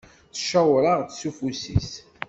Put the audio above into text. Tcewweṛ-aɣ-d s ufus-is.